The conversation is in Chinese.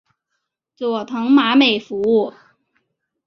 佐藤麻美服务。